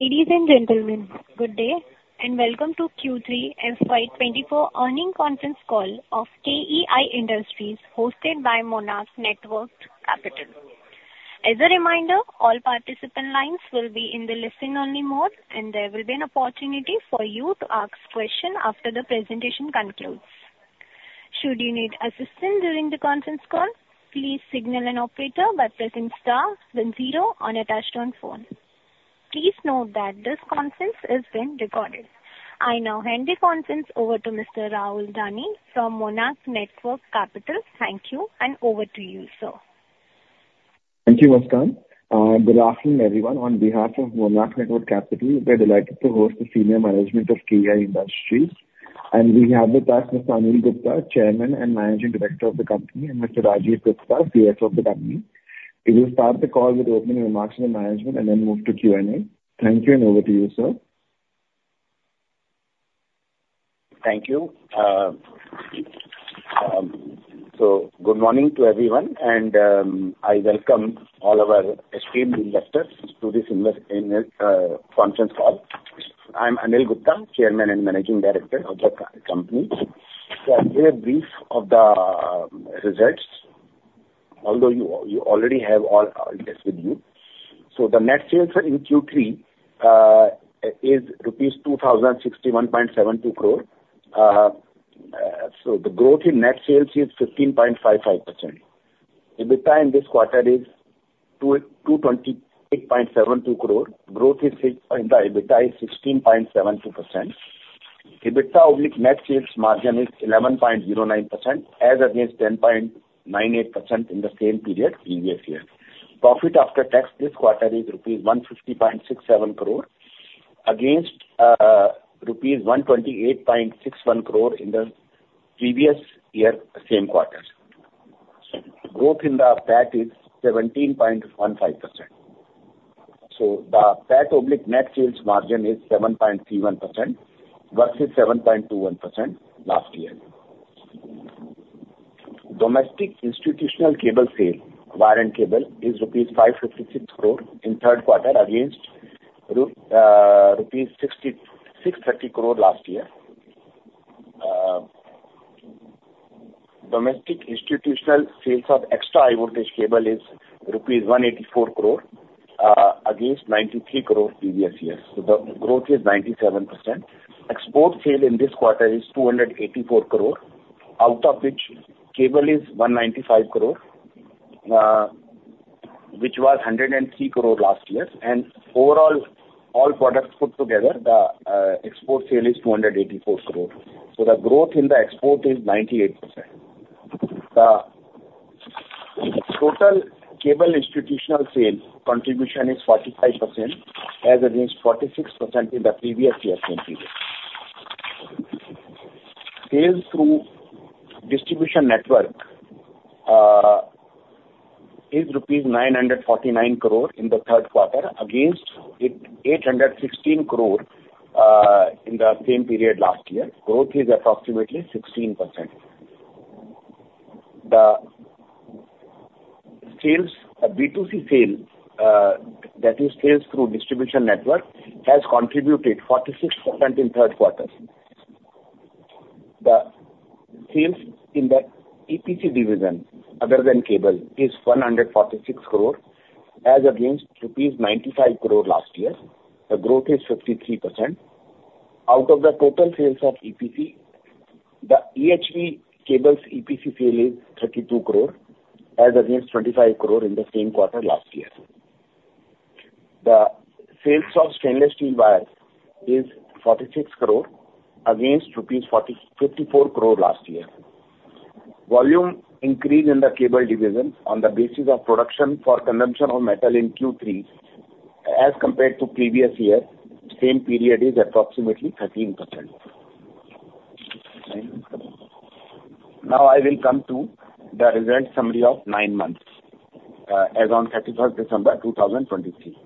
Ladies and gentlemen, good day, and welcome to Q3 FY24 earnings conference call of KEI Industries, hosted by Monarch Networth Capital. As a reminder, all participant lines will be in the listen-only mode, and there will be an opportunity for you to ask questions after the presentation concludes. Should you need assistance during the conference call, please signal an operator by pressing star then zero on your touchtone phone. Please note that this conference is being recorded. I now hand the conference over to Mr. Rahul Dani from Monarch Networth Capital. Thank you, and over to you, sir. Thank you, Mastan. Good afternoon, everyone. On behalf of Monarch Networth Capital, we're delighted to host the senior management of KEI Industries, and we have with us Mr. Anil Gupta, Chairman and Managing Director of the company, and Mr. Rajeev Gupta, CFO of the company. We will start the call with opening remarks from the management and then move to Q&A. Thank you, and over to you, sir. Thank you. So good morning to everyone, and I welcome all our esteemed investors to this invest conference call. I'm Anil Gupta, Chairman and Managing Director of the company. So I'll give a brief of the results, although you already have all this with you. So the net sales in Q3 is rupees 2,061.72 crore. So the growth in net sales is 15.55%. EBITDA in this quarter is 228.72 crore. Growth is six point, EBITDA is 16.72%. EBITDA to net sales margin is 11.09% as against 10.98% in the same period previous year. Profit after tax this quarter is rupees 150.67 crore, against rupees 128.61 crore in the previous year, same quarter. Growth in the PAT is 17.15%. So the PAT oblique net sales margin is 7.31% versus 7.21% last year. Domestic institutional cable sale, wire and cable, is rupees 556 crore in third quarter against rupees 663 crore last year. Domestic institutional sales of extra-high voltage cable is rupees 184 crore, against 93 crore previous years. So the growth is 97%. Export sale in this quarter is 284 crore, out of which cable is 195 crore, which was 103 crore last year. And overall, all products put together, the export sale is 284 crore. So the growth in the export is 98%. The total cable institutional sale contribution is 45%, as against 46% in the previous year's same period. Sales through distribution network is rupees 949 crore in the third quarter, against eight hundred sixteen crore in the same period last year. Growth is approximately 16%. The sales, B2C sales, that is sales through distribution network, has contributed 46% in third quarter. The sales in the EPC division, other than cable, is 146 crore, as against rupees 95 crore last year. The growth is 53%. Out of the total sales of EPC, the EHV cables EPC sale is INR 32 crore as against INR 25 crore in the same quarter last year. The sales of stainless steel wire is 46 crore against rupees 45.4 crore last year. Volume increase in the cable division on the basis of production for consumption of metal in Q3 as compared to previous year, same period, is approximately 13%. Now I will come to the result summary of nine months, as on 31 December 2023.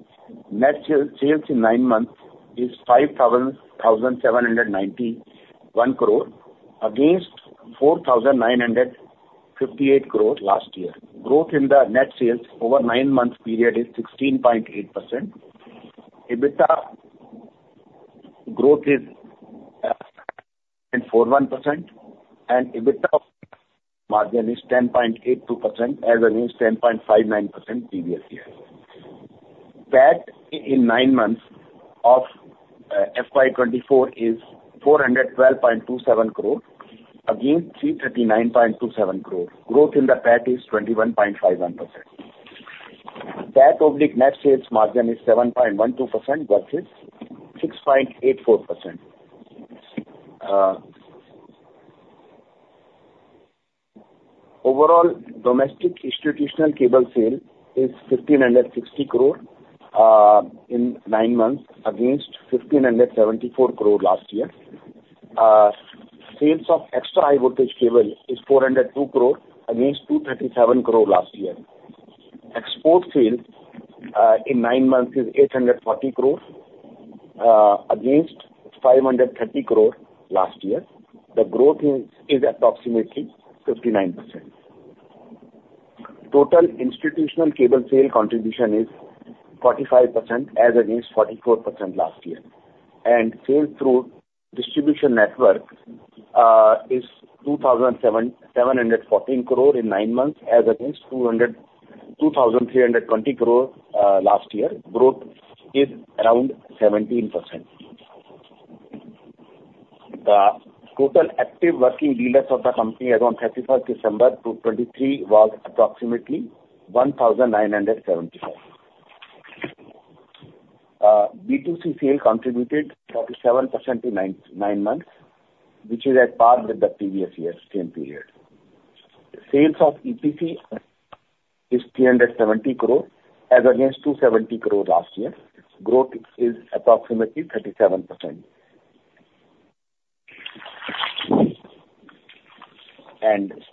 Net sales in nine months is 5,791 crore against 4,958 crore last year. Growth in the net sales over nine-month period is 16.8%. EBITDA growth is 41%, and EBITDA margin is 10.82% as against 10.59% previous year. PAT in nine months of FY 2024 is 412.27 crore against 339.27 crore. Growth in the PAT is 21.51%. PAT oblique net sales margin is 7.12% versus 6.84%. Overall, domestic institutional cable sale is 1,560 crore in nine months against 1,574 crore last year. Sales of extra high voltage cable is 402 crore against 237 crore last year. Export sales in nine months is 840 crore against 530 crore last year. The growth is approximately 59%. Total institutional cable sale contribution is 45% as against 44% last year, and sale through distribution network is 2,714 crore in nine months, as against 2,320 crore last year. Growth is around 17%. The total active working dealers of the company as on 31 December 2023 was approximately 1,975. B2C sale contributed 47% in nine months, which is at par with the previous year same period. Sales of EPC is 370 crore as against 270 crore last year. Growth is approximately 37%.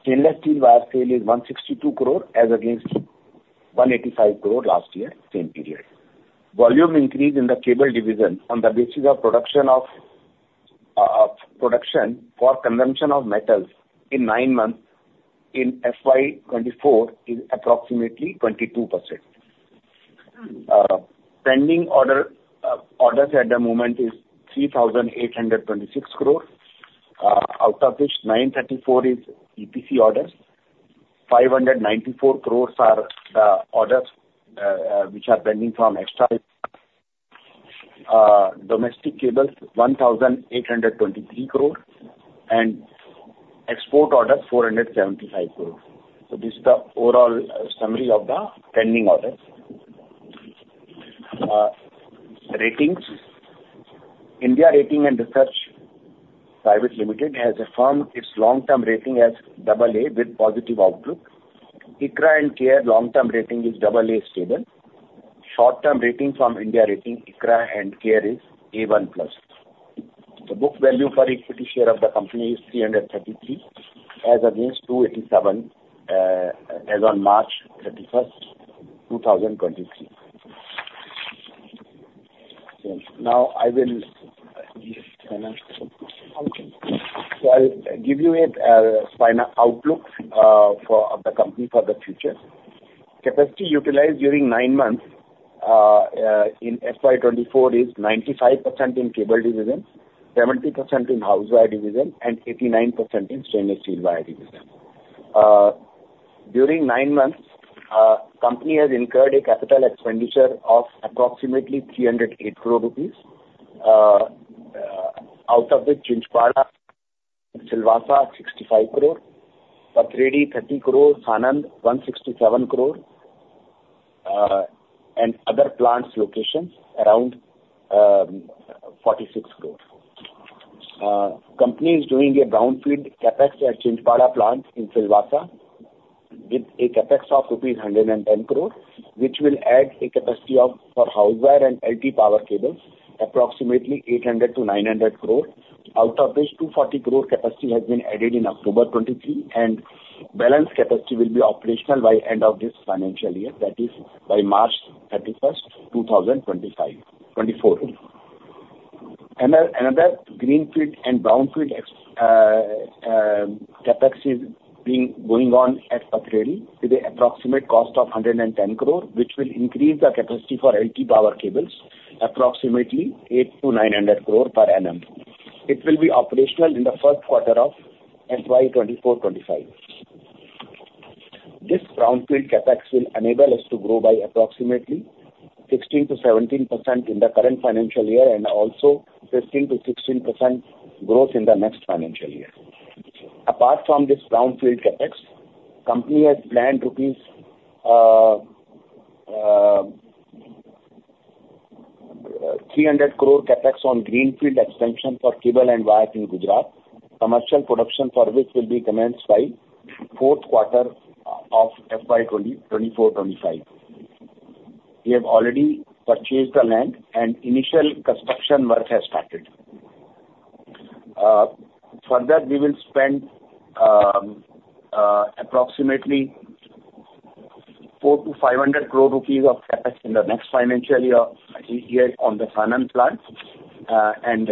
Stainless steel wire sale is 162 crore as against 185 crore last year, same period. Volume increase in the cable division on the basis of production for consumption of metals in nine months in FY 2024 is approximately 22%. Pending orders at the moment is 3,826 crore, out of which 934 crore is EPC orders, 594 crore are the orders which are pending from export, domestic cables INR 1,823 crore, and export orders INR 475 crore. So this is the overall summary of the pending orders. Ratings. India Ratings and Research Private Limited has affirmed its long-term rating as AA with positive outlook. ICRA and CARE long-term rating is AA, stable. Short-term rating from India Ratings, ICRA and CARE is A1+. The book value for equity share of the company is 333 as against 287, as on March 31, 2023. So now I will give financial outlook. So I'll give you a final outlook for of the company for the future. Capacity utilized during nine months in FY 2024 is 95% in cable division, 70% in house wire division, and 89% in stainless steel wire division. During nine months, company has incurred a capital expenditure of approximately 308 crore rupees. Out of which Chinchpada and Silvassa, 65 crore, Pathredi, 30 crore, Sanand, 167 crore, and other plants locations around 46 crore. Company is doing a brownfield CapEx at Chinchpada plant in Silvassa, with a CapEx of rupees 110 crore, which will add a capacity of for house wire and LT power cables, approximately 800-900 crore. Out of this, 240 crore capacity has been added in October 2023, and balance capacity will be operational by end of this financial year, that is by March 31, 2025, 2024. Another greenfield and brownfield CapEx is going on at Pathredi with an approximate cost of 110 crore, which will increase the capacity for LT power cables, approximately 800-900 crore per annum. It will be operational in the first quarter of FY 2024-2025. This brownfield CapEx will enable us to grow by approximately 16%-17% in the current financial year, and also 15%-16% growth in the next financial year. Apart from this brownfield CapEx, company has planned rupees 300 crore CapEx on greenfield expansion for cable and wire in Gujarat. Commercial production for which will be commenced by fourth quarter of FY 2024-2025. We have already purchased the land and initial construction work has started. Further, we will spend approximately 400-500 crore rupees of CapEx in the next financial year on the Sanand plant, and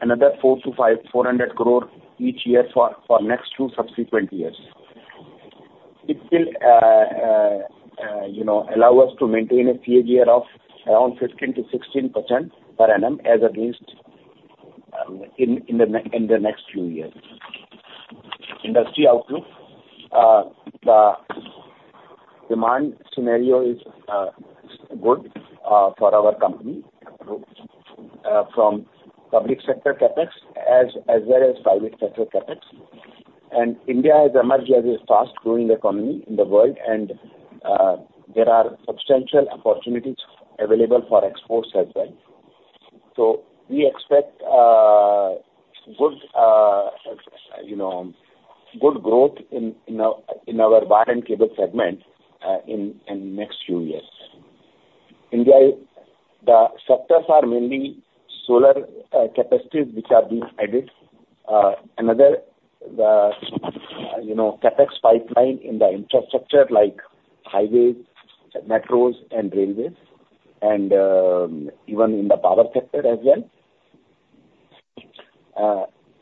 another 400-500 crore each year for next two subsequent years. It will, you know, allow us to maintain a CAGR of around 15%-16% per annum, at least in the next few years. Industry outlook. The demand scenario is good for our company from public sector CapEx as well as private sector CapEx. India has emerged as a fast growing economy in the world, and there are substantial opportunities available for exports as well. So we expect good, you know, good growth in our wire and cable segment in next few years. India, the sectors are mainly solar capacities, which are being added. Another, you know, CapEx pipeline in the infrastructure like highways, metros and railways and even in the power sector as well,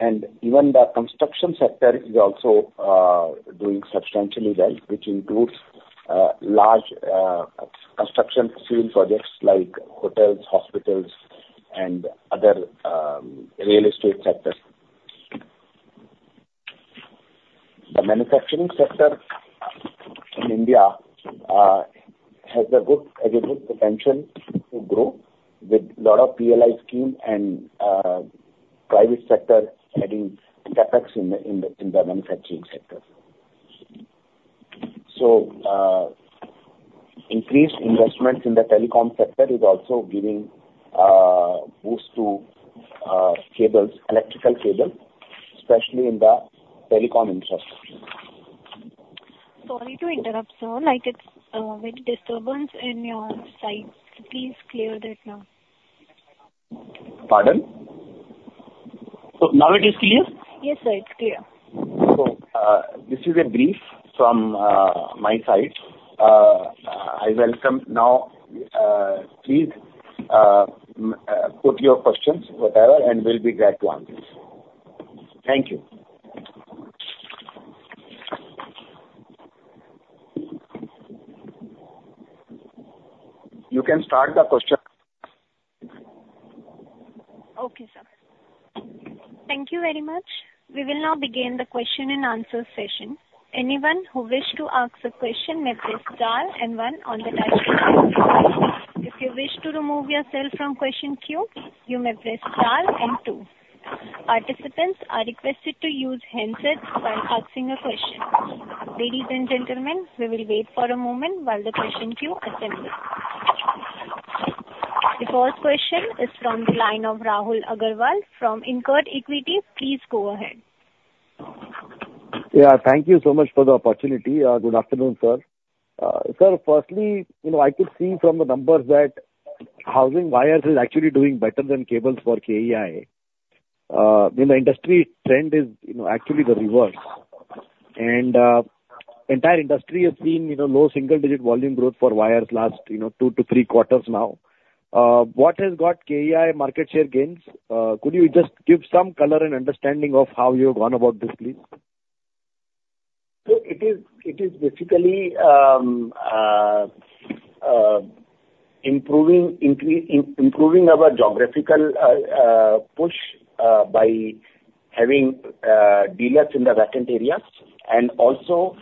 and even the construction sector is also doing substantially well, which includes large construction field projects like hotels, hospitals, and other real estate sectors. The manufacturing sector in India has a good potential to grow with lot of PLI scheme and private sector adding CapEx in the manufacturing sector. So, increased investments in the telecom sector is also giving boost to cables, electrical cable, especially in the telecom infrastructure. Sorry to interrupt, sir. Like, it's very disturbance in your side. Please clear that now. Pardon? So now it is clear? Yes, sir, it's clear. So, this is a brief from my side. I welcome now, please, put your questions, whatever, and we'll be glad to answer. Thank you. You can start the question. Okay, sir. Thank you very much. We will now begin the question and answer session. Anyone who wish to ask a question, may press star and one on the dialpad. If you wish to remove yourself from question queue, you may press star and two. Participants are requested to use handsets while asking a question. Ladies and gentlemen, we will wait for a moment while the question queue assembles. The first question is from the line of Rahul Agarwal from InCred Equity. Please go ahead. Yeah. Thank you so much for the opportunity. Good afternoon, sir. Sir, firstly, you know, I could see from the numbers that house wires is actually doing better than cables for KEI. When the industry trend is, you know, actually the reverse. Entire industry has seen, you know, low single digit volume growth for wires last, you know, two to three quarters now. What has got KEI market share gains? Could you just give some color and understanding of how you have gone about this, please? So it is, it is basically improving our geographical push by having dealers in the vacant areas, and also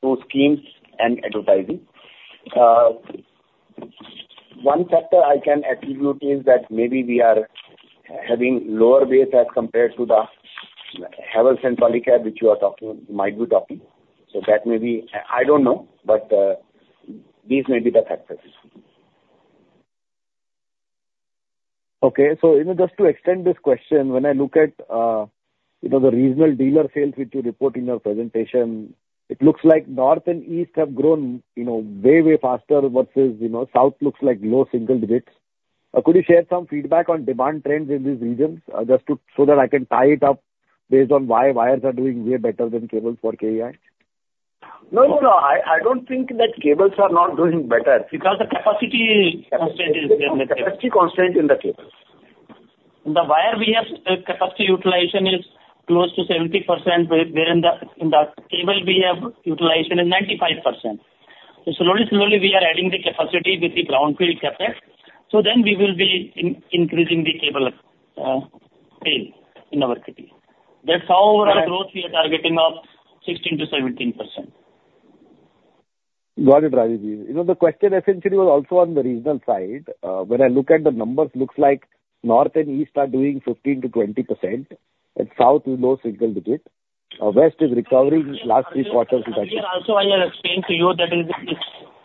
through schemes and advertising. One factor I can attribute is that maybe we are having lower base as compared to the Havells and Polycab, which you are talking, might be talking. So that may be... I don't know, but these may be the factors. Okay. So, you know, just to extend this question, when I look at, you know, the regional dealer sales which you report in your presentation, it looks like North and East have grown, you know, way, way faster versus, you know, South looks like low single digits. Could you share some feedback on demand trends in these regions, just to, so that I can tie it up based on why wires are doing way better than cables for KEI? No, no, no. I don't think that cables are not doing better. Because the capacity constraint is there. Capacity constraint in the cables. The wire we have, capacity utilization is close to 70%, where, wherein the, in the cable we have utilization is 95%. So slowly, slowly we are adding the capacity with the Brownfield CapEx, so then we will be increasing the cable, sale in our city. That's how our growth we are targeting of 16%-17%. Got it, Rajeevji. You know, the question essentially was also on the regional side. When I look at the numbers, looks like North and East are doing 15%-20%, and South is low single-digit %. West is recovering last three quarters. Here also I have explained to you that is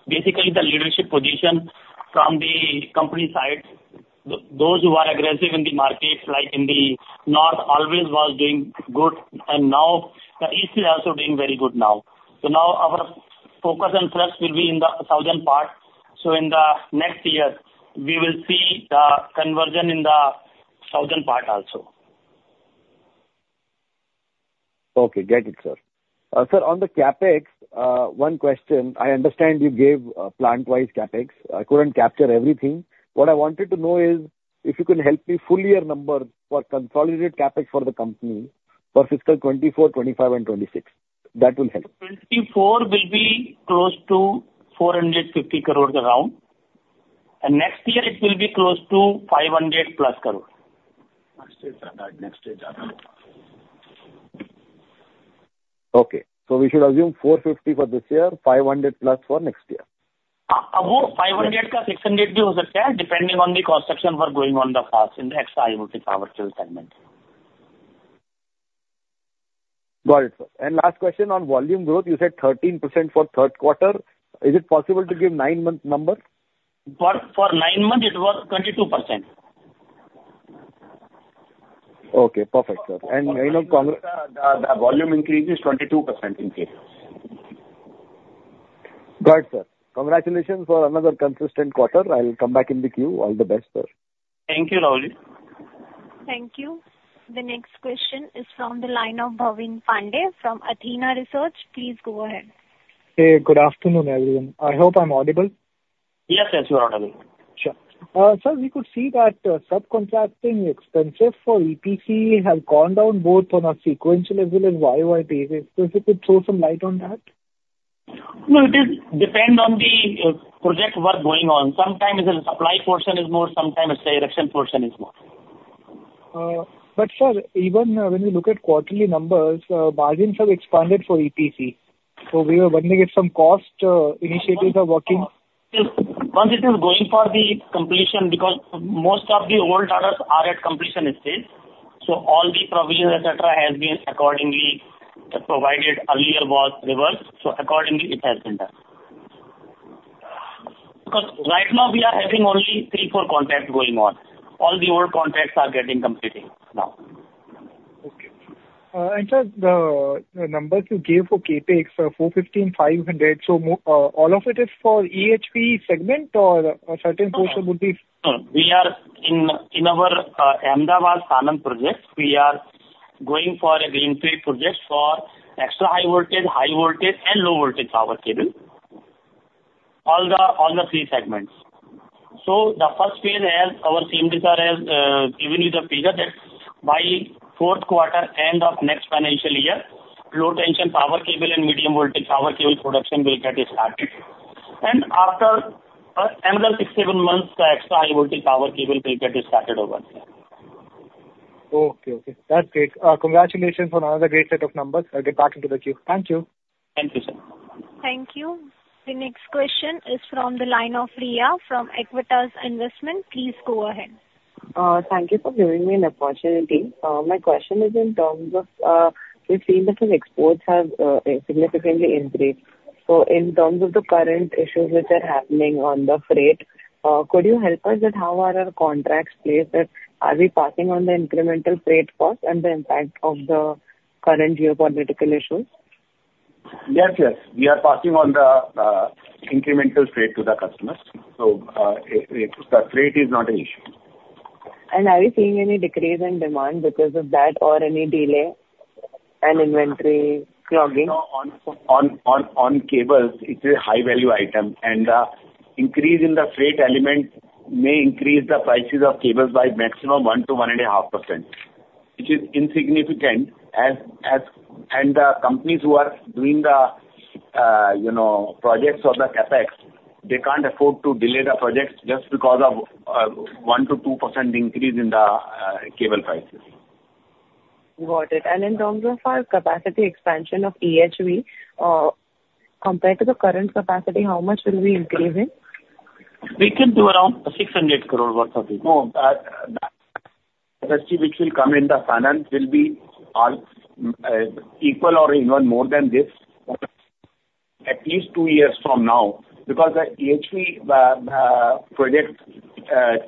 basically the leadership position from the company side. Those who are aggressive in the market, like in the north, always was doing good, and now the east is also doing very good now. So now our focus and thrust will be in the southern part. So in the next year, we will see the conversion in the southern part also. Okay. Got it, sir. Sir, on the CapEx, one question. I understand you gave, plant-wise CapEx. I couldn't capture everything. What I wanted to know is, if you could help me full year numbers for consolidated CapEx for the company for fiscal 2024, 2025 and 2026. That will help. 2024 will be close to 450 crore around, and next year it will be close to 500+ crore. Next year, next year. Okay. So we should assume 450 for this year, 500+ for next year? About 500-600, depending on the construction going on in the past in the EHV utility power segment. Got it. And last question, on volume growth, you said 13% for third quarter. Is it possible to give nine-month numbers? For nine months it was 22%. Okay, perfect, sir. And, you know, con- The volume increase is 22% in cables. Got it, sir. Congratulations for another consistent quarter. I'll come back in the queue. All the best, sir. Thank you, Rahulji.... Thank you. The next question is from the line of Bhavin Pande from Athena Research. Please go ahead. Hey, good afternoon, everyone. I hope I'm audible. Yes, yes, you are audible. Sure. Sir, we could see that, subcontracting expenses for EPC have gone down both on a sequential as well as YOY basis. So if you could throw some light on that? No, it is depend on the project work going on. Sometimes the supply portion is more, sometimes the erection portion is more. But sir, even when you look at quarterly numbers, margins have expanded for EPC, so we are wanting to get some cost initiatives are working. Once it is going for the completion, because most of the old orders are at completion stage, so all the provisions, et cetera, has been accordingly provided earlier was reversed, so accordingly it has been done. Because right now we are having only three, four contracts going on. All the old contracts are getting completed now. Okay. And, sir, the numbers you gave for CapEx, 415, 500, all of it is for EHV segment or a certain portion would be? No, we are in, in our Ahmedabad Sanand project, we are going for a greenfield project for extra high voltage, high voltage and low voltage power cable. All the, all the three segments. So the first phase, as our CMO has given you the figure, that by fourth quarter, end of next financial year, low tension power cable and medium voltage power cable production will get started. And after another six, seven months, the extra high voltage power cable will get started over there. Okay. Okay, that's great. Congratulations on another great set of numbers. I'll get back into the queue. Thank you. Thank you, sir. Thank you. The next question is from the line of Riya from Equitas Investment. Please go ahead. Thank you for giving me an opportunity. My question is in terms of, we've seen that your exports have significantly increased. So in terms of the current issues which are happening on the freight, could you help us with how are our contracts placed, and are we passing on the incremental freight cost and the impact of the current geopolitical issues? Yes, yes. We are passing on the incremental freight to the customers. So, the freight is not an issue. Are you seeing any decrease in demand because of that or any delay and inventory clogging? No, on cables, it's a high value item, and the increase in the freight element may increase the prices of cables by maximum 1%-1.5%, which is insignificant. And the companies who are doing the, you know, projects or the CapEx, they can't afford to delay the projects just because of, one to 2% increase in the, cable prices. Got it. In terms of our capacity expansion of EHV, compared to the current capacity, how much will we increase it? We can do around 600 crore worth of it. No, that capacity which will come in the finance will be all equal or even more than this, at least two years from now, because the EHV project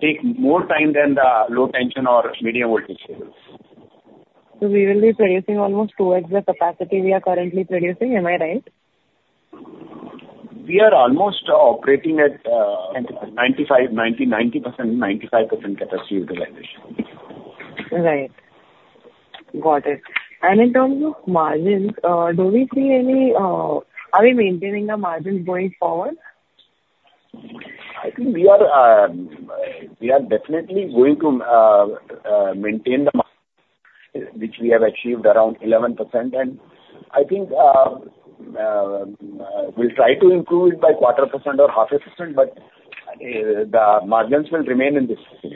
take more time than the low tension or medium voltage cables. We will be producing almost towards the capacity we are currently producing. Am I right? We are almost operating at 95, 90, 90%, 95% capacity utilization. Right. Got it. And in terms of margins, do we see any... Are we maintaining the margins going forward? I think we are definitely going to maintain the margins, which we have achieved around 11%. And I think we'll try to improve it by 0.25% or 0.5%, but the margins will remain in this range.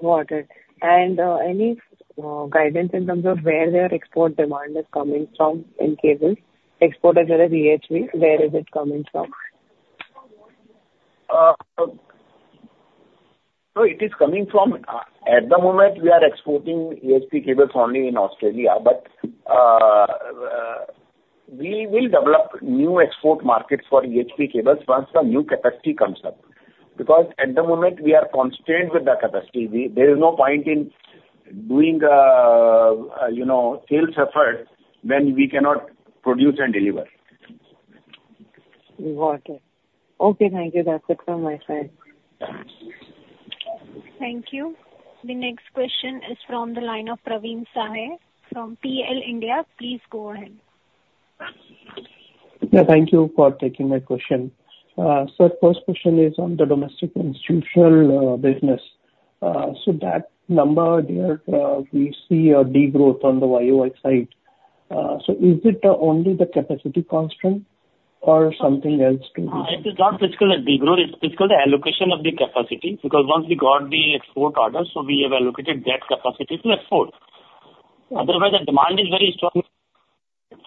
Got it. And any guidance in terms of where their export demand is coming from in cables? Export as well as EHV, where is it coming from? So it is coming from, at the moment, we are exporting EHV cables only in Australia, but we will develop new export markets for EHV cables once the new capacity comes up. Because at the moment we are constrained with the capacity. There is no point in doing, you know, sales effort when we cannot produce and deliver. Got it. Okay, thank you. That's it from my side. Thank you. The next question is from the line of Praveen Sahay from PL India. Please go ahead. Yeah, thank you for taking my question. So first question is on the domestic institutional business. So that number there, we see a degrowth on the YOY side. So is it only the capacity constraint or something else too? It is not physical degrowth, it's physical the allocation of the capacity, because once we got the export order, so we have allocated that capacity to export. Otherwise, the demand is very strong.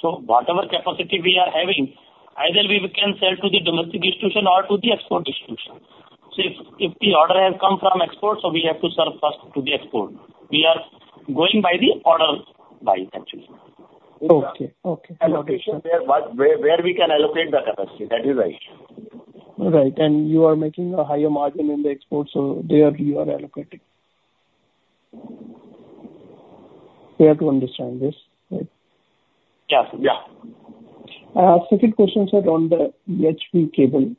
So whatever capacity we are having, either we can sell to the domestic institution or to the export institution. So if the order has come from export, so we have to serve first to the export. We are going by the orders by, actually. Okay. Okay. Allocation, where we can allocate the capacity, that is right. Right. And you are making a higher margin in the export, so there you are allocating.... Clear to understand this, right? Yeah, yeah. Specific questions are on the EHV cable.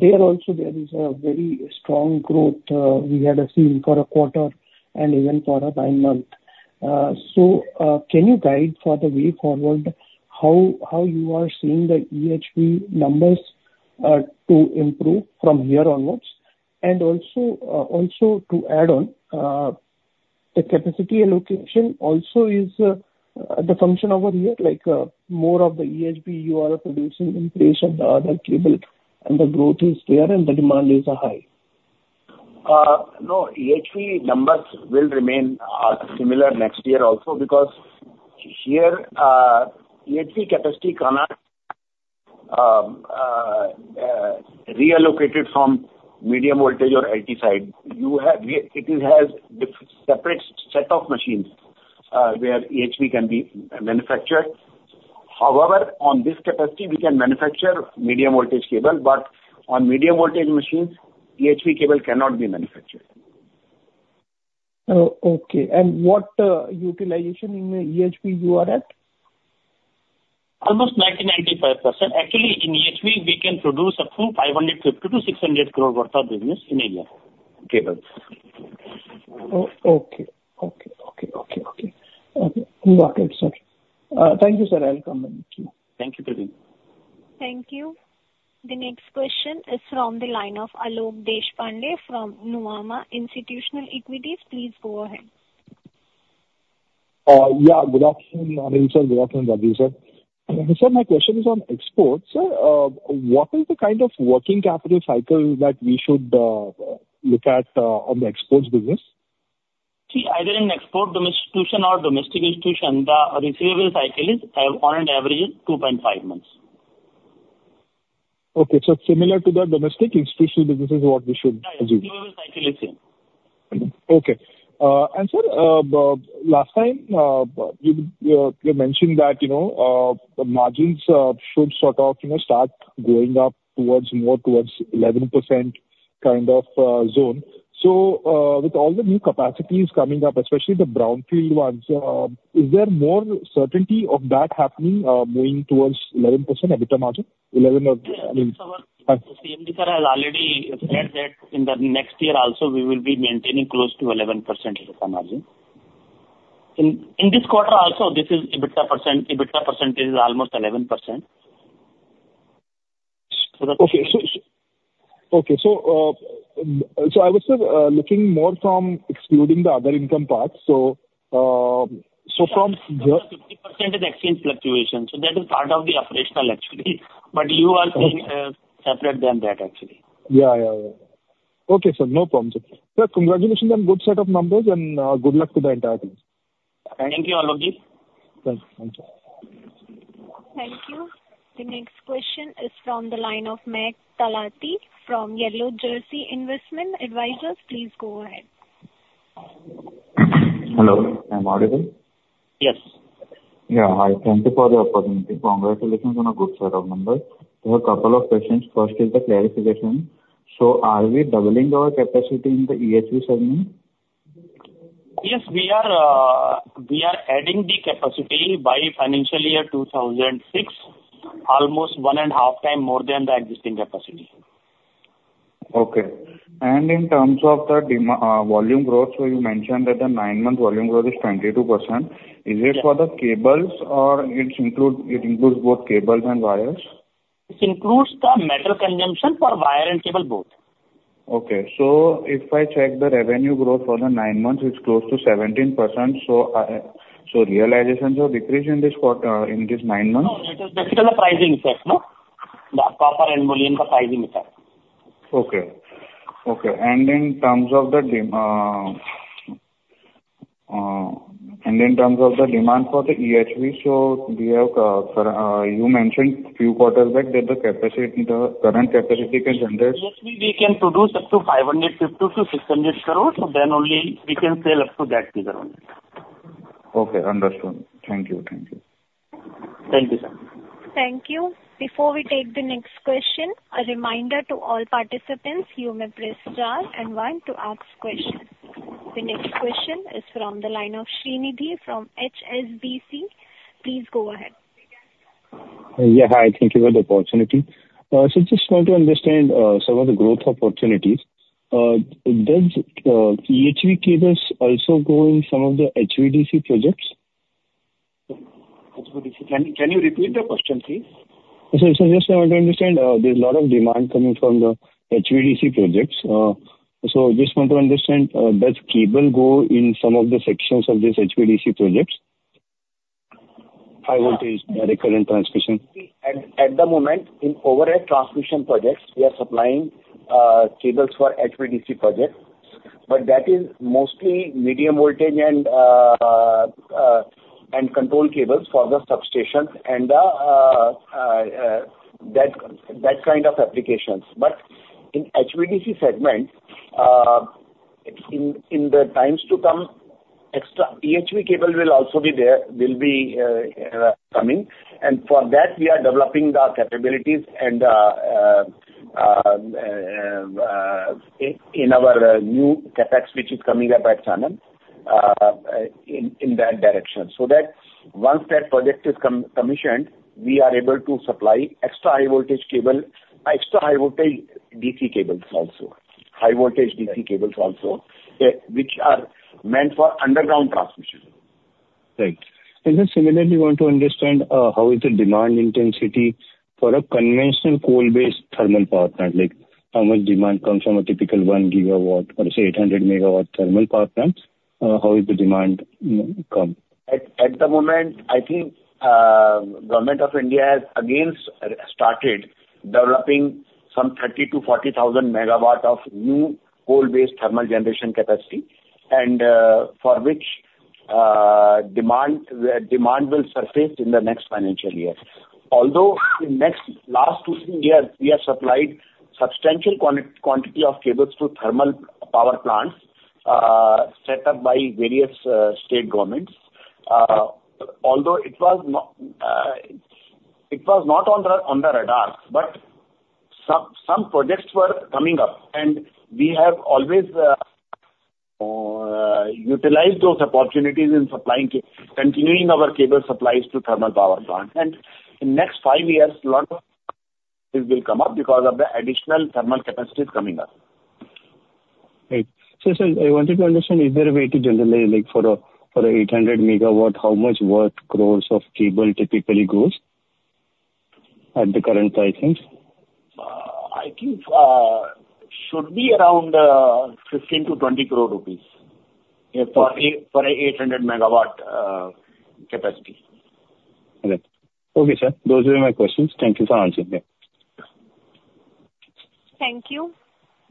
There is also a very strong growth we had seen for a quarter and even for a nine-month. So, can you guide for the way forward, how you are seeing the EHV numbers to improve from here onwards? And also, to add on, the capacity and location also is the function over here, like more of the EHV you are producing in place of the other cable, and the growth is there and the demand is high. No, EHV numbers will remain similar next year also, because here, EHV capacity cannot be reallocated from medium voltage or LT side. We have a separate set of machines where EHV can be manufactured. However, on this capacity, we can manufacture medium voltage cable, but on medium voltage machines, EHV cable cannot be manufactured. Oh, okay. And what utilization in the EHV you are at? Almost 90%-95%. Actually, in EHV, we can produce up to 550-600 crore worth of business in India, cable. Oh, okay. Okay, okay, okay, okay. Okay, got it, sir. Thank you, sir. I'll come back to you. Thank you, Praveen. Thank you. The next question is from the line of Alok Deshpande, from Nuvama Institutional Equities. Please go ahead. Yeah, good afternoon, Anil sir. Good afternoon, Rajeev sir. Sir, my question is on exports. Sir, what is the kind of working capital cycle that we should look at on the exports business? See, either in export institutional or domestic institutional, the receivable cycle is, on an average, is 2.5 months. Okay, so similar to the domestic institutional business is what we should assume. Right, cycle is same. Okay. And sir, last time, you mentioned that, you know, the margins should sort of, you know, start going up towards, more towards 11% kind of zone. So, with all the new capacities coming up, especially the brownfield ones, is there more certainty of that happening, going towards 11% EBITDA margin, 11% or, I mean- CMD sir has already said that in the next year also we will be maintaining close to 11% EBITDA margin. In this quarter also, this is EBITDA percent. EBITDA percentage is almost 11%. Okay. So, I was looking more from excluding the other income parts. So, from the- 50% is exchange fluctuation, so that is part of the operational actually, but you are saying separate than that, actually. Yeah, yeah, yeah. Okay, sir, no problem, sir. Sir, congratulations on good set of numbers, and good luck to the entire team. Thank you, Alok ji. Thank you. Thank you. The next question is from the line of Mahek Talati from Yellow Jersey Investment Advisors. Please go ahead. Hello, I'm audible? Yes. Yeah. Hi, thank you for the opportunity. Congratulations on a good set of numbers. I have a couple of questions. First is the clarification: So are we doubling our capacity in the EHV segment? Yes, we are adding the capacity by financial year 2006, almost 1.5 times more than the existing capacity. Okay. And in terms of the demand volume growth, so you mentioned that the nine-month volume growth is 22%. Yes. Is it for the cables or it includes both cables and wires? It includes the metal consumption for wire and cable, both. Okay. So if I check the revenue growth for the nine months, it's close to 17%. So, so realizations have decreased in this quarter, in this nine months? No, it is basically the pricing effect, no? The copper and aluminum pricing effect. Okay. Okay, and in terms of the demand for the EHV, so do you have, you mentioned a few quarters back that the capacity, the current capacity you can render- EHV we can produce up to 550 crore-600 crore, so then only we can sell up to that figure only. Okay, understood. Thank you. Thank you. Thank you, sir. Thank you. Before we take the next question, a reminder to all participants, you may press star and one to ask questions. The next question is from the line of Srinidhi from HSBC. Please go ahead. Yeah, hi. Thank you for the opportunity. So just want to understand some of the growth opportunities. Does EHV cables also go in some of the HVDC projects? HVDC, can you repeat the question, please? So, so just I want to understand, there's a lot of demand coming from the HVDC projects. So just want to understand, does cable go in some of the sections of this HVDC projects? High voltage direct current transmission. At the moment, in overhead transmission projects, we are supplying cables for HVDC projects, but that is mostly medium voltage and control cables for the substation and that kind of applications. But in HVDC segment, in the times to come, extra EHV cable will also be there, will be coming. And for that, we are developing the capabilities in our new CapEx, which is coming up at Sanand, in that direction. So that once that project is commissioned, we are able to supply extra high voltage cable, extra high voltage DC cables also. High voltage DC cables also, which are meant for underground transmission. Right. And then similarly, we want to understand how is the demand intensity for a conventional coal-based thermal power plant? Like, how much demand comes from a typical 1 GW or say, 800 MW thermal power plant, how is the demand come? At the moment, I think, the Government of India has again started developing some 30-40,000 megawatts of new coal-based thermal generation capacity, and for which, demand will surface in the next financial year. Although, in the last two, three years, we have supplied substantial quantity of cables to thermal power plants, set up by various state governments. Although it was not on the radar, but some projects were coming up, and we have always utilized those opportunities in continuing our cable supplies to thermal power plants. And in the next five years, a lot of it will come up because of the additional thermal capacity coming up. Right. So sir, I wanted to understand, is there a way to generally, like for a 800 megawatt, how much worth crores of cable typically goes at the current pricing? I think should be around 15-20 crore rupees. Yeah, for a 800-MW capacity. Okay. Okay, sir. Those were my questions. Thank you so much. Yeah. Thank you.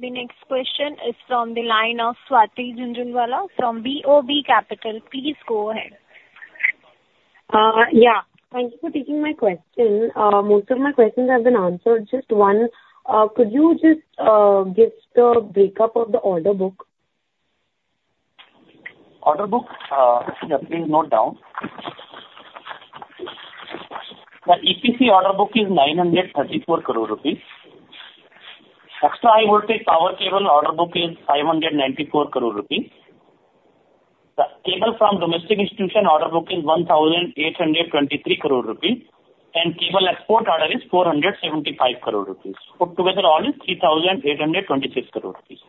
The next question is from the line of Swati Jhunjhunwala from BOB Capital. Please go ahead. Yeah. Thank you for taking my question. Most of my questions have been answered. Just one, could you just give the breakup of the order book? Order book? Yeah, please note down. The EPC order book is 934 crore rupees. Extra high voltage power cable order book is 594 crore rupees. The cable from domestic institutional order book is 1,828 crore rupees, and cable export order is 475 crore rupees. Put together all is 3,826 crore rupees.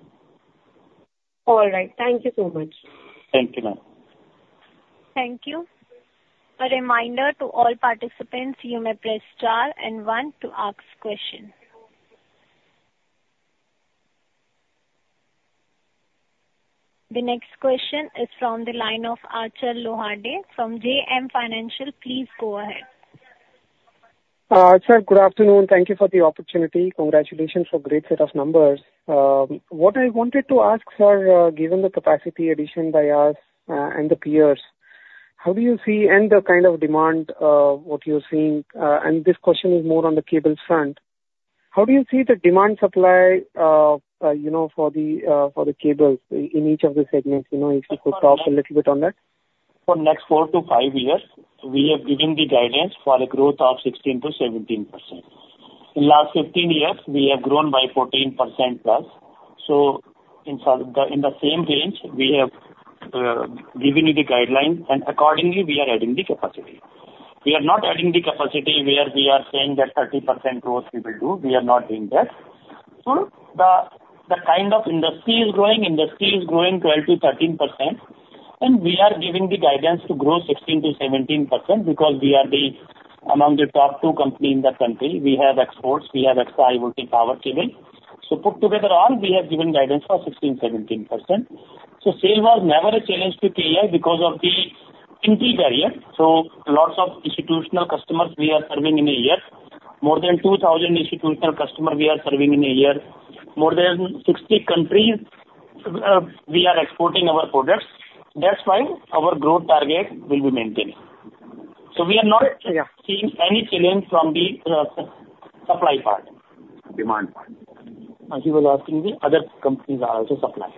All right. Thank you so much. Thank you, ma'am. Thank you. A reminder to all participants, you may press star and one to ask question. The next question is from the line of Achal Lohade from JM Financial. Please go ahead. Sir, good afternoon. Thank you for the opportunity. Congratulations for great set of numbers. What I wanted to ask, sir, given the capacity addition by us and the peers, how do you see the kind of demand what you're seeing, and this question is more on the cable front. How do you see the demand supply, you know, for the cables in each of the segments? You know, if you could talk a little bit on that. For the next four-five years, we are giving the guidance for a growth of 16%-17%. In last 15 years, we have grown by 14%+. So in the same range, we have given you the guideline, and accordingly, we are adding the capacity. We are not adding the capacity where we are saying that 30% growth we will do, we are not doing that. So the kind of industry is growing, industry is growing 12%-13%, and we are giving the guidance to grow 16%-17% because we are the, among the top two company in the country. We have exports, we have extra high voltage power cable. So put together all, we have given guidance for 16%-17%. So sale was never a challenge to KEI because of the integral area. So lots of institutional customers we are serving in a year. More than 2,000 institutional customer we are serving in a year. More than 60 countries, we are exporting our products. That's why our growth target will be maintained. So we are not seeing any challenge from the supply part. Demand part. He was asking the other companies are also supplying.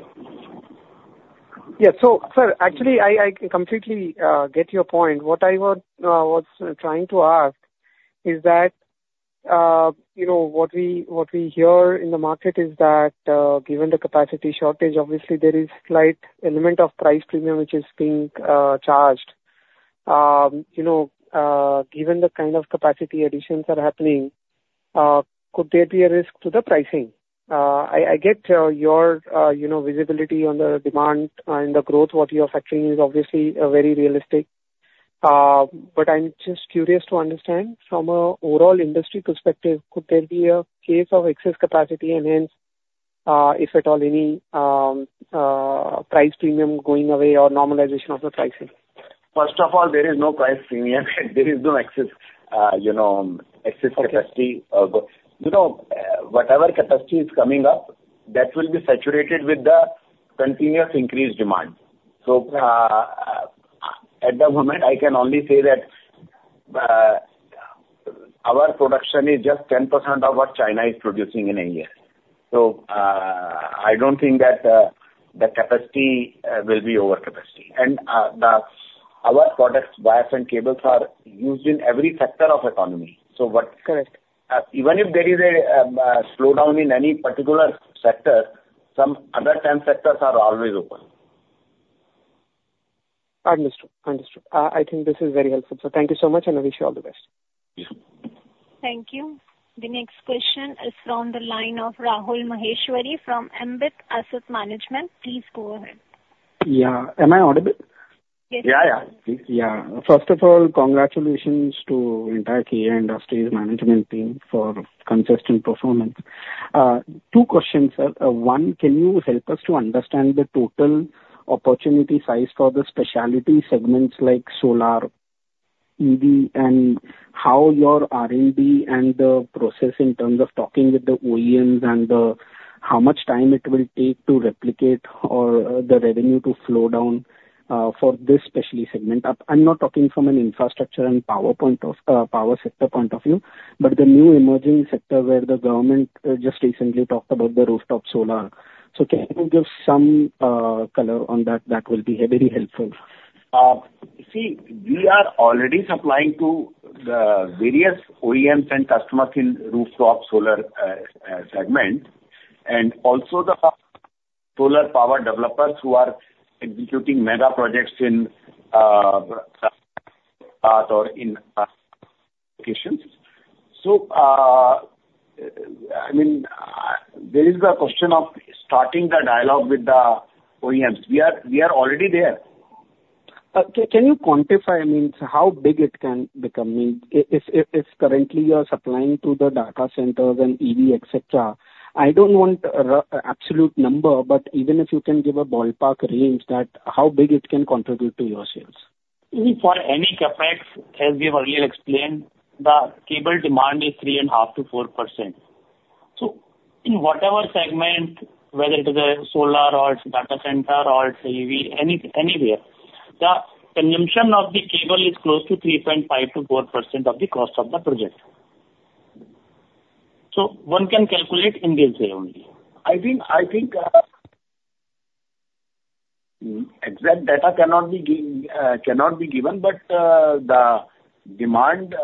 Yeah. So, sir, actually, I completely get your point. What I was trying to ask is that, you know, what we hear in the market is that, given the capacity shortage, obviously there is slight element of price premium which is being charged. You know, given the kind of capacity additions are happening, could there be a risk to the pricing? I get your visibility on the demand and the growth what you are factoring is obviously very realistic. But I'm just curious to understand from a overall industry perspective, could there be a case of excess capacity and hence, if at all, any price premium going away or normalization of the pricing? First of all, there is no price premium. There is no excess, you know, excess capacity. Okay. But, you know, whatever capacity is coming up, that will be saturated with the continuous increased demand. So, at the moment, I can only say that our production is just 10% of what China is producing in a year. So, I don't think that the capacity will be over capacity. And, our products, wires and cables, are used in every sector of economy. So what- Correct. Even if there is a slowdown in any particular sector, some other ten sectors are always open. Understood. Understood. I think this is very helpful. So thank you so much, and I wish you all the best. Yes. Thank you. The next question is from the line of Rahul Maheshwary from Ambit Asset Management. Please go ahead. Yeah. Am I audible? Yes. Yeah, yeah. Yeah. First of all, congratulations to entire KEI Industries management team for consistent performance. Two questions. One, can you help us to understand the total opportunity size for the specialty segments like solar, EV, and how your R&D and the process in terms of talking with the OEMs and, how much time it will take to replicate or, the revenue to flow down, for this specialty segment? I, I'm not talking from an infrastructure and power point of, power sector point of view, but the new emerging sector where the government, just recently talked about the rooftop solar. So can you give some, color on that? That will be very helpful. See, we are already supplying to the various OEMs and customers in rooftop solar segment, and also the solar power developers who are executing mega projects in locations. So, I mean, there is the question of starting the dialogue with the OEMs. We are, we are already there. Can you quantify, I mean, how big it can become? I mean, if currently you are supplying to the data centers and EV, et cetera, I don't want a absolute number, but even if you can give a ballpark range, that how big it can contribute to your sales. For any CapEx, as we have earlier explained, the cable demand is 3.5%-4%. So in whatever segment, whether it is a solar or it's data center or it's EV, anywhere, the consumption of the cable is close to 3.5%-4% of the cost of the project. So one can calculate in this way only. I think exact data cannot be given, but the demand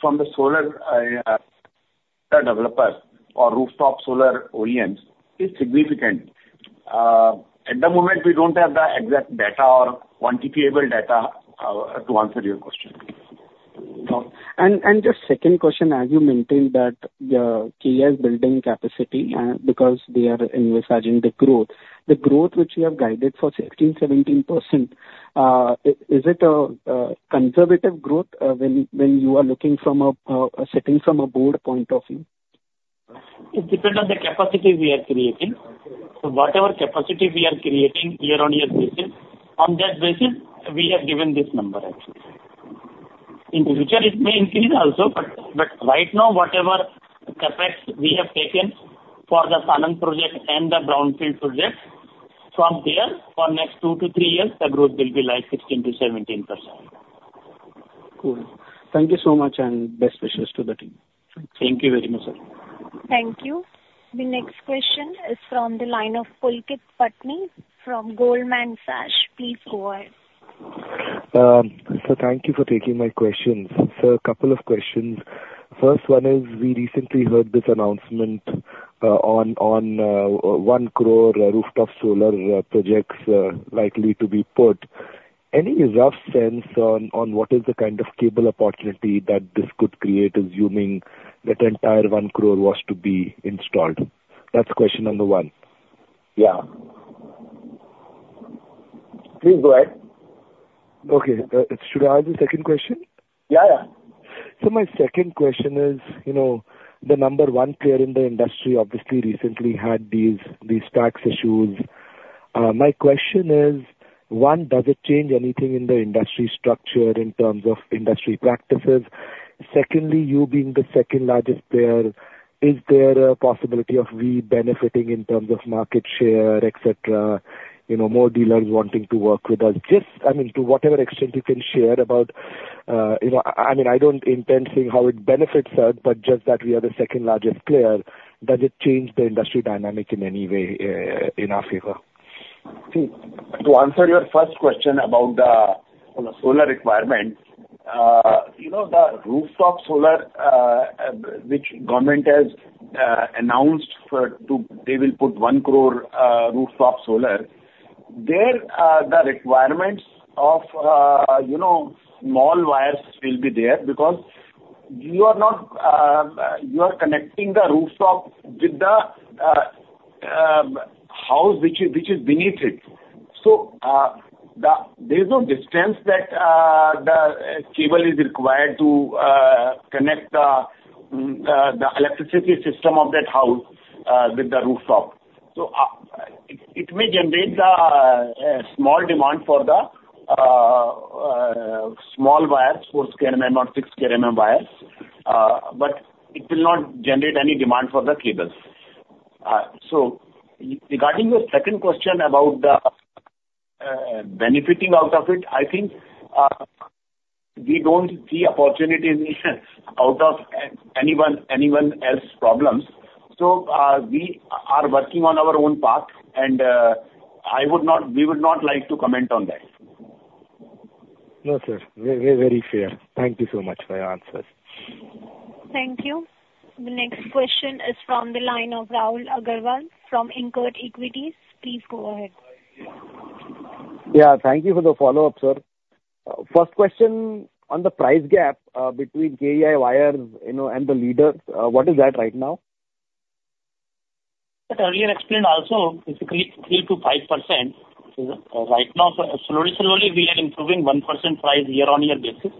from the solar developers or rooftop solar OEMs is significant. At the moment, we don't have the exact data or quantifiable data to answer your question. The second question, as you mentioned, that the KEI is building capacity because they are envisaging the growth. The growth which you have guided for 16%-17%, is it a conservative growth, when you are looking from a board point of view? It depends on the capacity we are creating. So whatever capacity we are creating year-on-year basis, on that basis, we have given this number actually. In the future, it may increase also, but right now, whatever CapEx we have taken for the Sanand project and the brownfield project, from there, for next two to three years, the growth will be like 16%-17%. Cool. Thank you so much, and best wishes to the team. Thank you very much, sir. Thank you. The next question is from the line of Pulkit Patni from Goldman Sachs. Please go ahead. So thank you for taking my questions. So a couple of questions. First one is, we recently heard this announcement, on one crore rooftop solar projects likely to be put. Any rough sense on what is the kind of cable opportunity that this could create, assuming that entire 1 crore was to be installed? That's question number 1. Yeah. Please go ahead. Okay. Should I ask the second question? Yeah, yeah. So my second question is, you know, the number one player in the industry obviously recently had these, these tax issues. My question is, one, does it change anything in the industry structure in terms of industry practices? Secondly, you being the second largest player, is there a possibility of re-benefiting in terms of market share, et cetera? You know, more dealers wanting to work with us. Just, I mean, to whatever extent you can share about... You know, I mean, I don't intend saying how it benefits us, but just that we are the second-largest player, does it change the industry dynamic in any way, in our favor? See, to answer your first question about the solar requirements, you know, the rooftop solar, which government has announced. They will put one crore rooftop solar. There, the requirements of, you know, small wires will be there because you are connecting the rooftop with the house which is beneath it. So, there's no distance that the cable is required to connect the electricity system of that house with the rooftop. So, it may generate the small demand for the small wires, 4 sq. mm or 6 sq. mm wires, but it will not generate any demand for the cables. So regarding your second question about the-... benefiting out of it, I think, we don't see opportunities out of anyone else's problems. So, we are working on our own path, and, I would not, we would not like to comment on that. No, sir. Very, very fair. Thank you so much for your answers. Thank you. The next question is from the line of Rahul Agarwal from InCred Capital. Please go ahead. Yeah, thank you for the follow-up, sir. First question on the price gap between KEI wires, you know, and the leaders. What is that right now? Earlier explained also, basically 3%-5%. So right now, so slowly, slowly, we are improving 1% price year-on-year basis,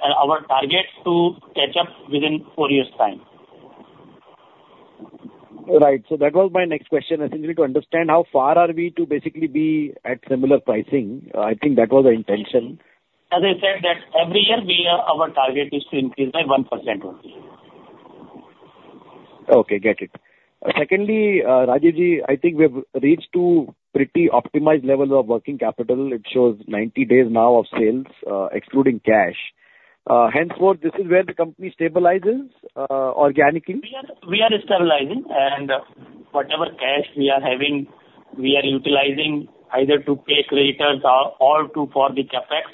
and our target to catch up within four years' time. Right. So that was my next question. I think we need to understand how far are we to basically be at similar pricing? I think that was the intention. As I said, that every year we are, our target is to increase by 1% only. Okay, get it. Secondly, Rajeevji, I think we have reached to pretty optimized level of working capital. It shows 90 days now of sales, excluding cash. Henceforth, this is where the company stabilizes, organically? We are stabilizing, and whatever cash we are having, we are utilizing either to pay creditors or to for the CapEx.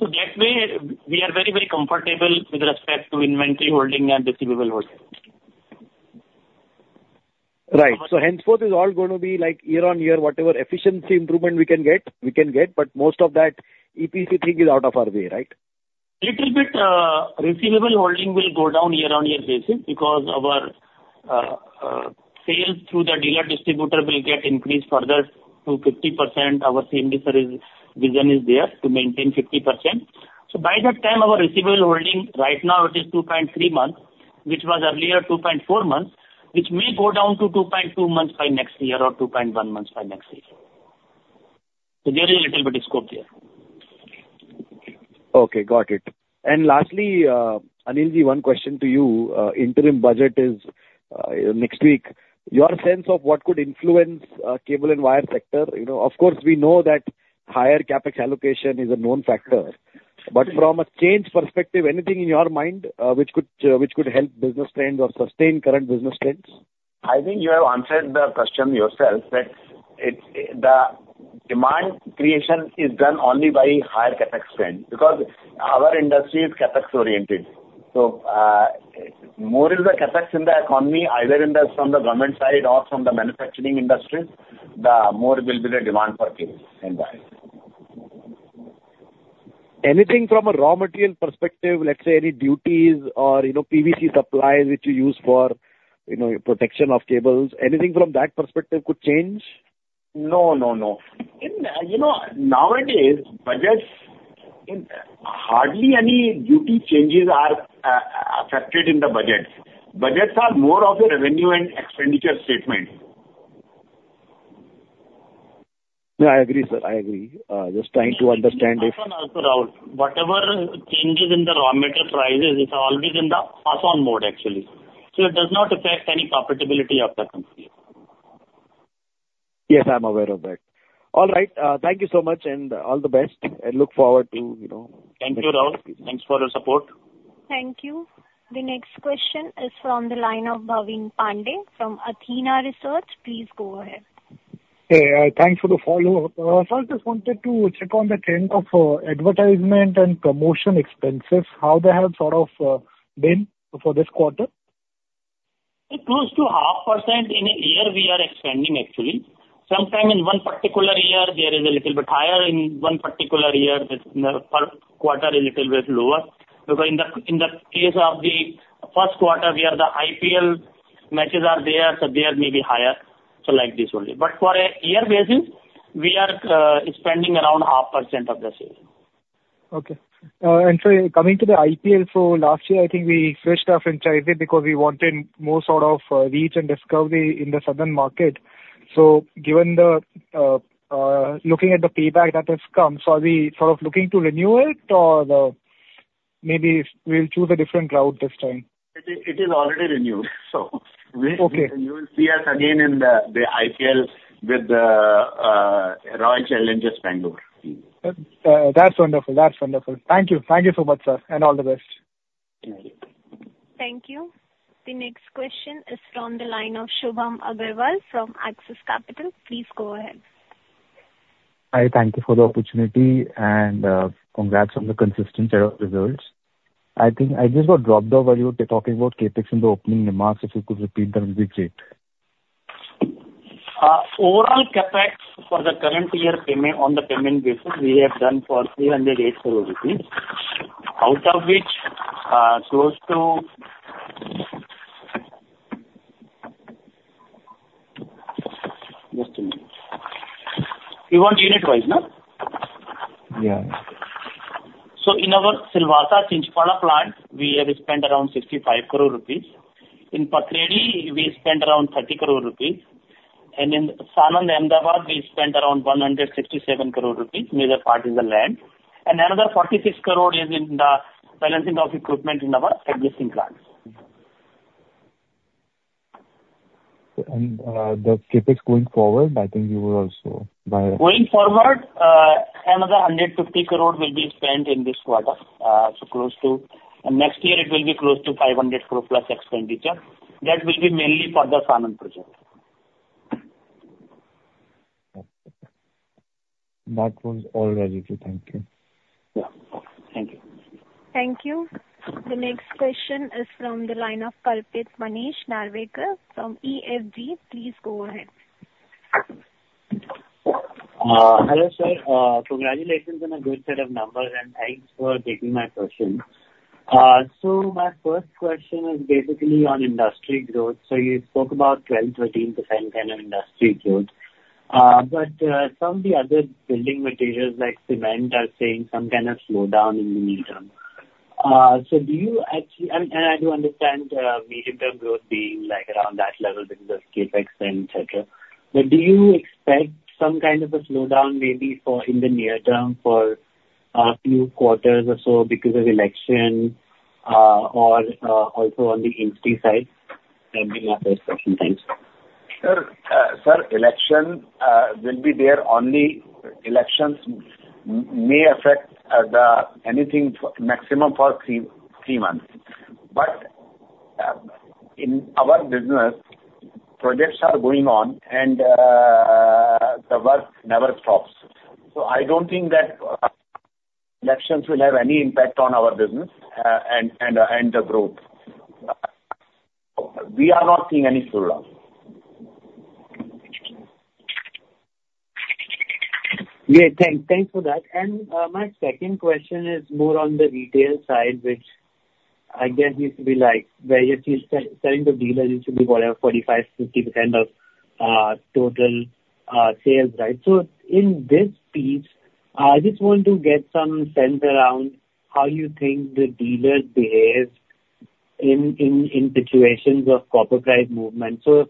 So that way, we are very, very comfortable with respect to inventory holding and receivable holding. Right. So henceforth, it's all going to be like year-on-year, whatever efficiency improvement we can get, we can get, but most of that EPC thing is out of our way, right? Little bit, receivable holding will go down year-on-year basis because our sales through the dealer distributor will get increased further to 50%. Our same vision is there, to maintain 50%. So by that time, our receivable holding right now, it is 2.3 months, which was earlier 2.4 months, which may go down to 2.2 months by next year or 2.1 months by next year. So there is a little bit of scope there. Okay, got it. And lastly, Anilji, one question to you. Interim budget is next week. Your sense of what could influence cable and wire sector? You know, of course, we know that higher CapEx allocation is a known factor, but from a change perspective, anything in your mind, which could help business trends or sustain current business trends? I think you have answered the question yourself, that the demand creation is done only by higher CapEx spend, because our industry is CapEx oriented. So, more is the CapEx in the economy, either from the government side or from the manufacturing industry, the more will be the demand for cables and wires. Anything from a raw material perspective, let's say any duties or, you know, PVC supplies which you use for, you know, protection of cables, anything from that perspective could change? No, no, no. In, you know, nowadays, in budgets, hardly any duty changes are affected in the budgets. Budgets are more of a revenue and expenditure statement. No, I agree, sir. I agree. Just trying to understand if- Also, Rahul, whatever changes in the raw material prices, it's always in the pass-on mode, actually. So it does not affect any profitability of the company. Yes, I'm aware of that. All right. Thank you so much, and all the best, and look forward to, you know... Thank you, Rahul. Thanks for the support. Thank you. The next question is from the line of Bhavin Pande from Athena Research. Please go ahead. Hey, thanks for the follow-up. First just wanted to check on the trend of, advertisement and promotion expenses, how they have sort of, been for this quarter? Close to 0.5% in a year we are expanding, actually. Sometimes in one particular year, there is a little bit higher, in one particular year, this per quarter is little bit lower. Because in the case of the first quarter, where the IPL matches are there, so there may be higher, so like this only. But for a year basis, we are spending around 0.5% of the sales. Okay. And so coming to the IPL, so last year, I think we switched our franchise because we wanted more sort of, reach and discovery in the southern market. So given the, looking at the payback that has come, so are we sort of looking to renew it or the... maybe we'll choose a different route this time? It is, it is already renewed, so. Okay. You will see us again in the IPL with Royal Challengers Bangalore. That's wonderful. That's wonderful. Thank you. Thank you so much, sir, and all the best. Thank you. Thank you. The next question is from the line of Shubham Agarwal from Axis Capital. Please go ahead. Hi, thank you for the opportunity, and, congrats on the consistent set of results. I think I just got dropped off while you were talking about CapEx in the opening remarks. If you could repeat them, it'd be great. Overall CapEx for the current year payment, on the payment basis, we have done for 308 crore rupees. Out of which, close to... Just a minute. You want unit-wise, no? Yeah. In our Silvassa, Chinchpada plant, we have spent around 65 crore rupees. In Pathredi, we spent around 30 crore rupees, and in Sanand, Ahmedabad, we spent around 167 crore rupees, major part is the land. Another 46 crore is in the balancing of equipment in our existing plants.... And, the CapEx going forward, I think you will also buy- Going forward, another 150 crore will be spent in this quarter. Next year it will be close to 500 crore plus expenditure. That will be mainly for the Sanand project. That was all. Ready to thank you. Yeah. Thank you. Thank you. The next question is from the line of Kalpit Manish Narvekar from EFG. Please go ahead. Hello, sir. Congratulations on a good set of numbers, and thanks for taking my question. So my first question is basically on industry growth. So you spoke about 12%-13% kind of industry growth. But some of the other building materials, like cement, are seeing some kind of slowdown in the midterm. So do you actually... And I do understand medium-term growth being, like, around that level because of CapEx and et cetera. But do you expect some kind of a slowdown, maybe for in the near term, for a few quarters or so because of election or also on the industry side? That will be my first question. Thanks. Sir, elections will be there. Only elections may affect the anything maximum for three months. But in our business, projects are going on, and the work never stops. So I don't think that elections will have any impact on our business, and the growth. We are not seeing any slowdown. Yeah, thanks for that. And my second question is more on the retail side, which I guess used to be like where you're selling to dealers. It should be whatever 45-50% of total sales, right? So in this piece, I just want to get some sense around how you think the dealers behave in situations of copper price movement. So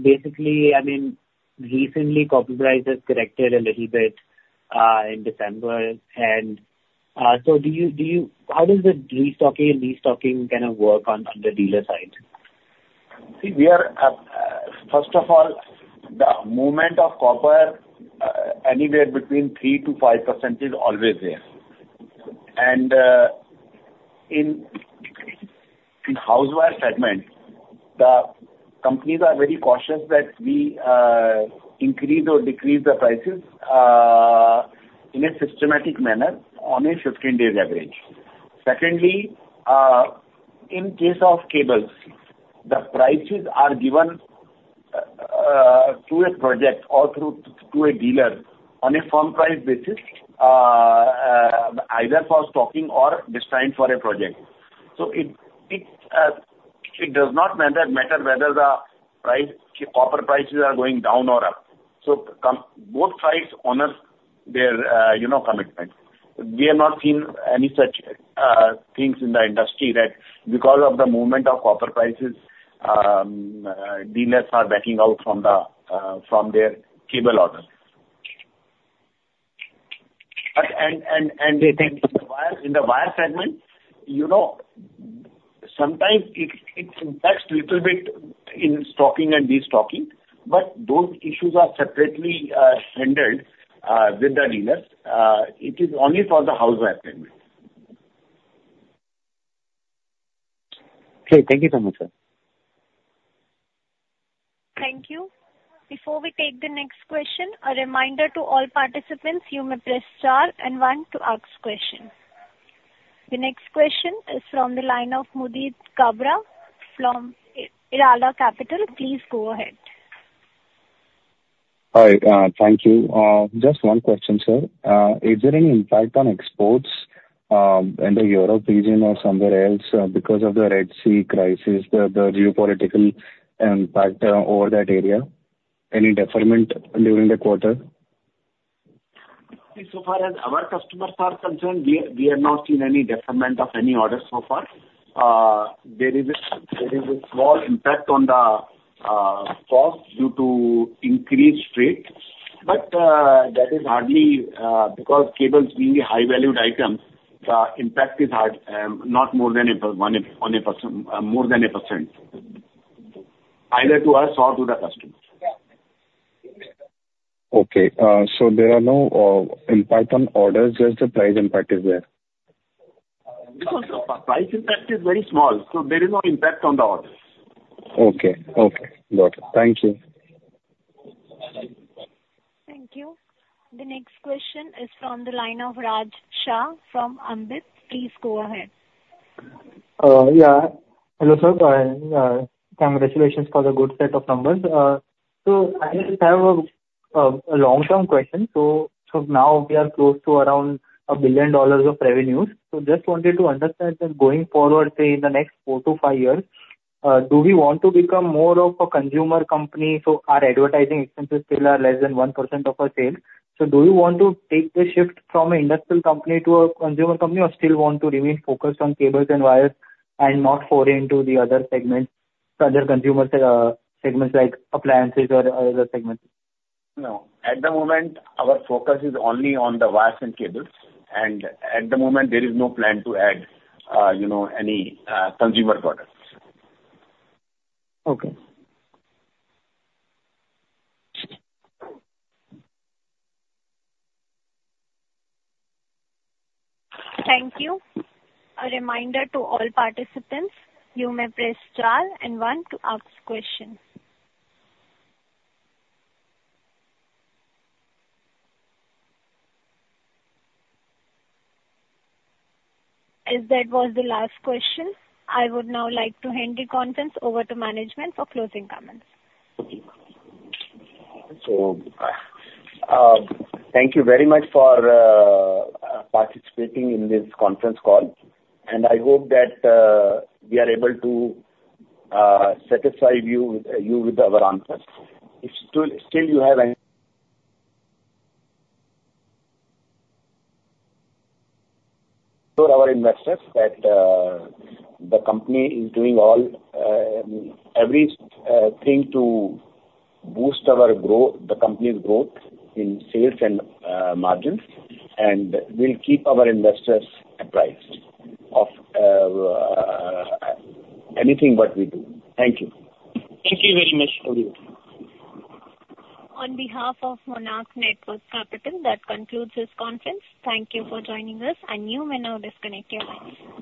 basically, I mean, recently copper prices corrected a little bit in December. And so do you—how does the de-stocking and restocking kind of work on the dealer side? See, we are. First of all, the movement of copper anywhere between 3%-5% is always there. And, in the house wire segment, the companies are very cautious that we increase or decrease the prices in a systematic manner on a 15 days average. Secondly, in case of cables, the prices are given through a project or through to a dealer on a firm price basis, either for stocking or designed for a project. So it does not matter whether the copper prices are going down or up. So both sides honor their, you know, commitment. We have not seen any such things in the industry that because of the movement of copper prices, dealers are backing out from their cable orders. They think in the wire, in the wire segment, you know, sometimes it impacts little bit in stocking and destocking, but those issues are separately handled with the dealers. It is only for the house wire segment. Okay. Thank you so much, sir. Thank you. Before we take the next question, a reminder to all participants, you may press star and one to ask questions. The next question is from the line of Mudit Kabra from Elara Capital. Please go ahead. Hi, thank you. Just one question, sir. Is there any impact on exports, in the Europe region or somewhere else, because of the Red Sea crisis, the geopolitical impact over that area? Any deferment during the quarter? So far as our customers are concerned, we have not seen any deferment of any order so far. There is a small impact on the cost due to increased rates, but that is hardly because cables being a high valued item, the impact is hardly more than 1%, either to us or to the customer. Okay. So there are no impact on orders, just the price impact is there? Because the price impact is very small, so there is no impact on the orders. Okay. Okay, got it. Thank you. Thank you. The next question is from the line of Raj Shah from Ambit. Please go ahead. Yeah. Hello, sir. Congratulations for the good set of numbers. So I just have a long-term question. So now we are close to around $1 billion of revenues. So just wanted to understand that going forward, say, in the next four-five years, do we want to become more of a consumer company? So our advertising expenses still are less than 1% of our sales. So do you want to take the shift from an industrial company to a consumer company, or still want to remain focused on cables and wires and not foray into the other segments, so other consumer segments like appliances or other segments? No. At the moment, our focus is only on the wires and cables, and at the moment, there is no plan to add, you know, any consumer products. Okay. Thank you. A reminder to all participants, you may press star and one to ask questions. As that was the last question, I would now like to hand the conference over to management for closing comments. So, thank you very much for participating in this conference call, and I hope that we are able to satisfy you with our answers. If still you have any... Our investors, that the company is doing everything to boost our growth, the company's growth in sales and margins, and we'll keep our investors apprised of anything what we do. Thank you. Thank you very much. Over to you. On behalf of Monarch Networth Capital, that concludes this conference. Thank you for joining us, and you may now disconnect your lines.